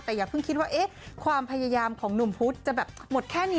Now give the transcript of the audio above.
แต่อย่าเพิ่งคิดว่าความพยายามของหนุ่มพุธจะแบบหมดแค่นี้